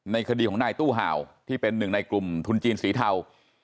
คดีของนายตู้ห่าวที่เป็นหนึ่งในกลุ่มทุนจีนสีเทา